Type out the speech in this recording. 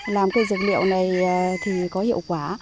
làm cây dược liệu này thì có hiệu quả